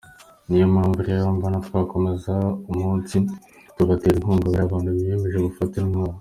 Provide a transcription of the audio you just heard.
Niyo mpamvu rero mbona twakomeza umutsi tugatera inkunga bariya bantu biyemeje gufata intwaro.